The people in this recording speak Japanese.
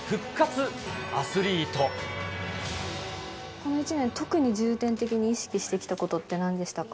この１年、特に重点的に意識してきたことってなんでしたか？